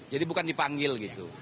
jadi bukan dipanggil gitu